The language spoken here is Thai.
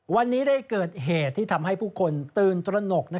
วันนี้ได้เกิดเหตุที่ทำให้ผู้คนตื่นตระหนก